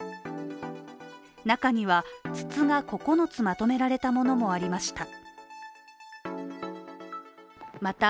中には筒が９つまとめられたものもありました。